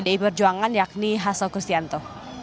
pdi perjuangan yakni hasto kristianto